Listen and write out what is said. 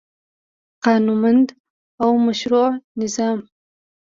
قانونمند او مشروع نظام